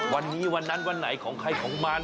วันนี้วันนั้นวันไหนของใครของมัน